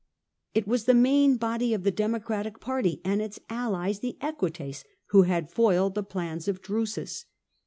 It was the main body of the Demo cratic party, and its allies, the Equites, who had foiled the plans of Drusus.